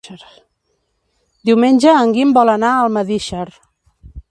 Diumenge en Guim vol anar a Almedíxer.